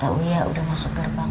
kata uya udah masuk gerbang